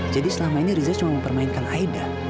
jadi selama ini riza cuma mempermainkan aida